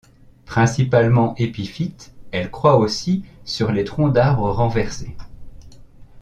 Principalement épiphyte, elle croît aussi sur les troncs d'arbres renversés.